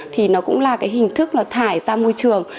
thì nó cũng là hình thức thải ra môi trường